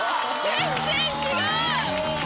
全然違う！